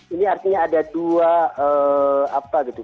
ini artinya ada dua apa gitu